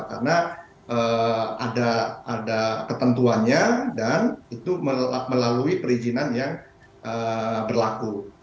karena ada ketentuannya dan itu melalui perizinan yang berlaku